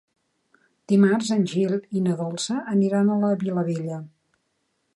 Dimarts en Gil i na Dolça aniran a la Vilavella.